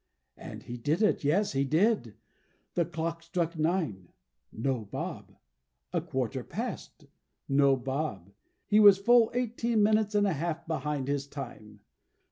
And he did it; yes, he did! The clock struck nine. No Bob. A quarter past. No Bob. He was full eighteen minutes and a half behind his time.